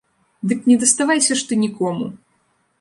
Дык не даставайся ж ты нікому!